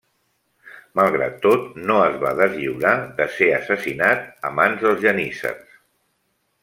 Malgrat tot, no es va deslliurar de ser assassinat a mans dels geníssers.